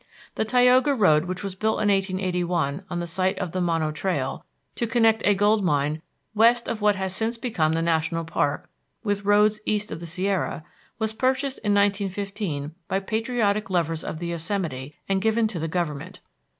The Tioga Road, which was built in 1881, on the site of the Mono Trail, to connect a gold mine west of what has since become the national park with roads east of the Sierra, was purchased in 1915 by patriotic lovers of the Yosemite and given to the Government.